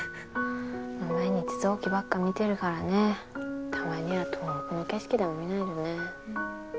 毎日臓器ばっか見てるからねたまには遠くの景色でも見ないとね。